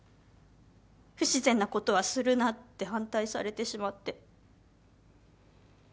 「不自然なことはするな」って反対されてしまって。